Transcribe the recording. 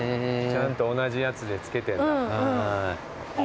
ちゃんと同じやつで付けてんだ。